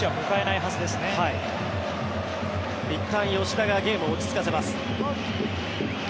いったん吉田がゲームを落ち着かせます。